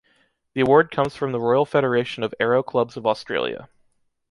The award comes from the Royal Federation of Aero Clubs of Australia.